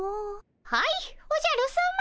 はいおじゃるさま。